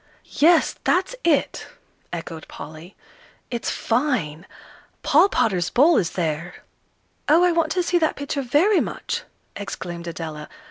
"Yes, that's it," echoed Polly; "it's fine Paul Potter's 'Bull' is there." "Oh, I want to see that picture very much!" exclaimed Adela.